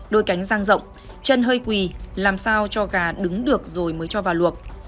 đôi cánh răng rộng chân hơi quỳ làm sao cho gà đứng được rồi mới cho vào luộc